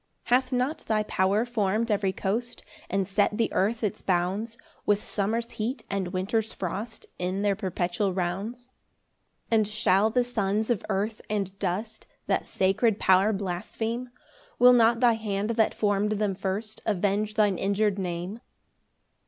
14 Hath not thy power form'd every coast, And set the earth its bounds, With summer's heat and winter's frost, In their perpetual rounds? 15 And shall the sons of earth and dust That sacred power blaspheme? Will not thy hand that form'd them first Avenge thine injur'd Name?